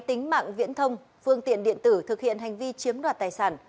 tính mạng viễn thông phương tiện điện tử thực hiện hành vi chiếm đoạt tài sản